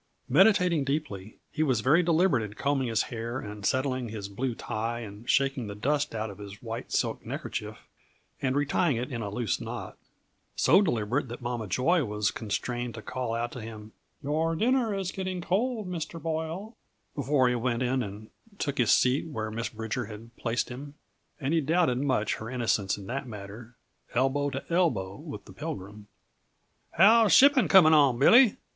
Meditating deeply, he was very deliberate in combing his hair and settling his blue tie and shaking the dust out of his white silk neckerchief and retying it in a loose knot; so deliberate that Mama Joy was constrained to call out to him: "Your dinner is getting cold, Mr. Boyle," before he went in and took his seat where Miss Bridger had placed him and he doubted much her innocence in the matter elbow to elbow with the Pilgrim. "How's shipping coming on, Billy?"